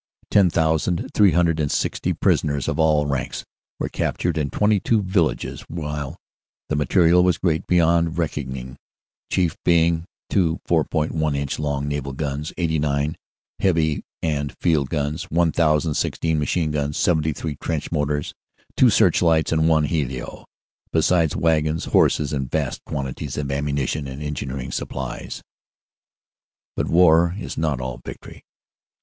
Ten thousand, three hundred and sixty prisoners of all ranks were captured and 22 villages, while the material was great beyond reckoning, chief being two 4.1 inch long naval guns, 89 heavy and field guns, ],016 machine guns, 73 trench mortars, two searchlights and one helio, besides wagons, horses, and vast quantities of ammuni tion and engineering supplies. But war is not all victory.